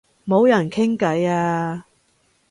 冇人傾偈啊